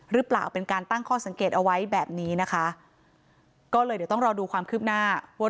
หรือเปล่าเป็นการตั้งข้อสังเกตเอาไว้แบบนี้นะคะก็เลยเดี๋ยวต้องรอดูความคืบหน้าว่า